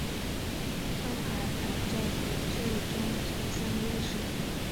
上海牌轿车最终走向历史。